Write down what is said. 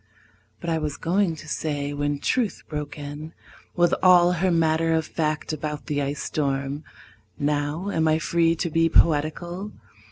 But I was going to say when Truth broke in With all her matter of fact about the ice storm (Now am I free to be poetical?)